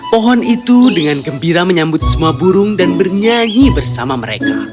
pohon itu dengan gembira menyambut semua burung dan bernyanyi bersama mereka